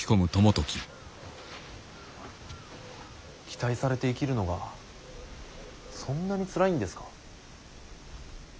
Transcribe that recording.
期待されて生きるのがそんなにつらいんですか。